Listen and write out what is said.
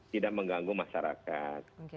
tidak mengganggu masyarakat